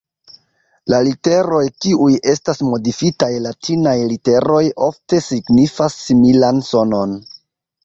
La literoj kiuj estas modifitaj latinaj literoj ofte signifas similan sonon.